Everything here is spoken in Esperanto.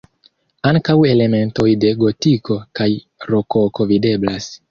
Ankaŭ elementoj de gotiko kaj rokoko videblas.